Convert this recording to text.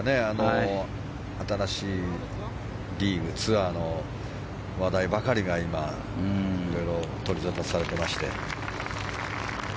新しいリーグツアーの話題ばかりが今、いろいろ取りざたされてまして。